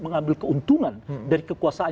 mengambil keuntungan dari kekuasaan